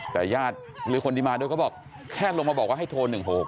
แต่ญาติหรือคนที่มาด้วยเขาบอกแค่ลงมาบอกว่าให้โทร๑๖๖